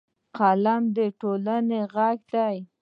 قلم د ټولنې غږ دی